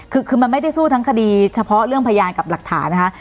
คือมันไม่ได้สู้ทั้งคดีเฉพาะเรื่องพยานกับหลักฐานนะคะ